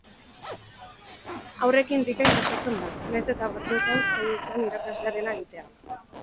Haurrekin bikain pasatzen da, nahiz eta batzuetan zaila izan irakaslearena egitea!